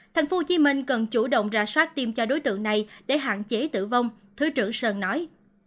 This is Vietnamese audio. thành phố hồ chí minh cần chủ động ra soát tiêm cho đối tượng này để hạn chế tử vong thứ trưởng sơn nói